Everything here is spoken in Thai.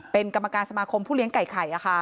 เป็นกรรมการสมาคมผู้เลี้ยงไก่ไข่